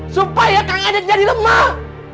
supaya kang adat jadi lemah